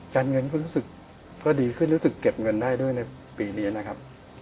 การเงินก็รู้สึกก็ดีขึ้นรู้สึกเก็บเงินได้ด้วยในปีนี้นะครับ